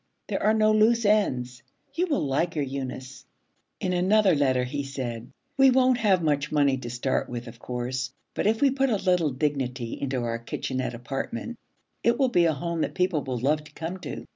There are no loose ends. You will like her, Eunice.' In another letter he said, 'We won't have much money to start with, of course, but if we put a little dignity into our kitchenette apartment, it will be a home that people will love to come to.